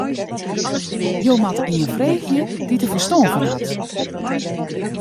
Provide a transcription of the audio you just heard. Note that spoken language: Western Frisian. Jo moatte ien freegje dy't dêr ferstân fan hat.